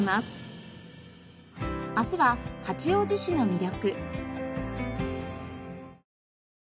明日は八王子市の魅力。